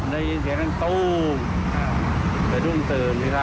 ลงมาดูก็